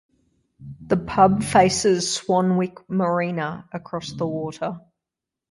The pub faces Swanwick Marina across the water.